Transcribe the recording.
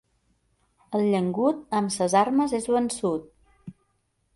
El llengut, amb ses armes és vençut.